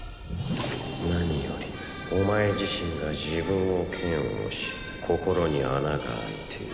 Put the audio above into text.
何よりお前自身が自分を嫌悪し心に穴が開いている。